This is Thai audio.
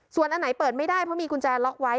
ส่วนอันไหนเปิดไม่ได้เพราะมีกุญแจล็อกไว้